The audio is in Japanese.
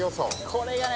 これがね